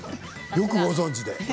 よくご存じで。